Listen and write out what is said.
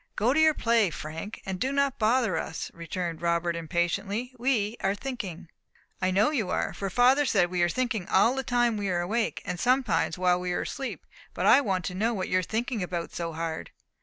"Go to your play, Frank, and do not bother us," returned Robert, impatiently; "we are thinking." "I know you are; for father said we are thinking all the time we are awake, and sometimes while we are asleep. But I want to know what you are thinking about so hard."